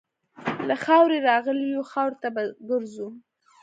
له خاورې راغلي یو، خاورې ته به ګرځو.